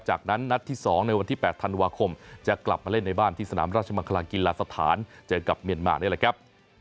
จากนั้นนัดที่๒ในวันที่๘ธันวาคมจะกลับมาเล่นในบ้านที่สนามราชมังคลากีฬาสถานเจอกับเมียนมานี่แหละครับ